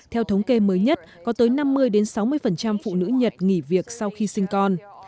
theo thống kê mới nhất có tới năm mươi sáu mươi phụ nữ nhật nghỉ việc sau khi sinh con